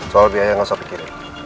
soal biaya gak usah pikirin